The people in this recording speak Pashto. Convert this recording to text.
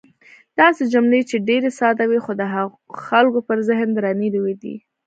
داسې جملې چې ډېرې ساده وې، خو د خلکو پر ذهن درنې لوېدې.